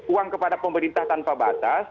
uang kepada pemerintah tanpa batas